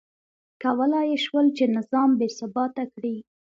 کولای یې شول چې نظام بې ثباته کړي.